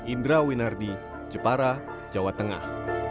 indra winardi jepara jawa tengah